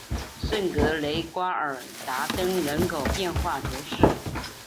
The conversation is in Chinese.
圣格雷瓜尔达登人口变化图示